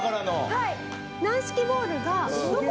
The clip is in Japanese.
はい。